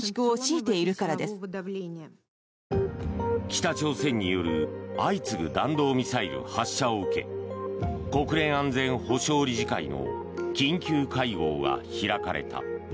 北朝鮮による相次ぐ弾道ミサイル発射を受け国連安全保障理事会の緊急会合が開かれた。